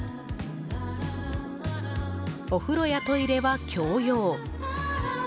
お風呂やトイレは共用。